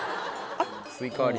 スイカ割り。